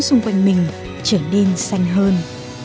xung quanh mình trở nên xanh hơn